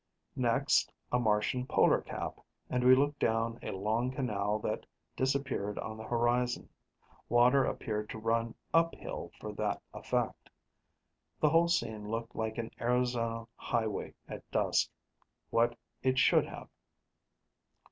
Next, a Martian polar cap, and we looked down a long canal that disappeared on the horizon. Water appeared to run uphill for that effect. The whole scene looked like an Arizona highway at dusk what it should have.